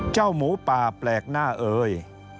หมูป่าแปลกหน้าเอ่ย